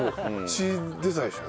血出たでしょ？